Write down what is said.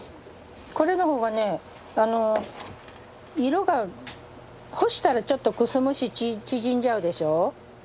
これの方がねあの色が干したらちょっとくすむし縮んじゃうでしょ？